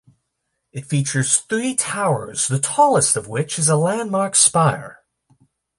It features three towers, the tallest of which is a landmark spire.